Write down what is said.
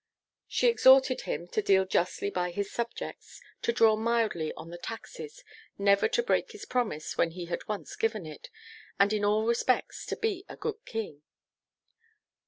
She exhorted him to deal justly by his subjects, to draw mildly on the taxes, never to break his promise when he had once given it and in all respects to be a good King.